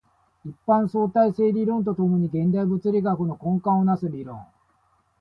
一般相対性理論と共に現代物理学の根幹を成す理論